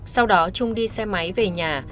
sau đó trung đi xe máy về nhà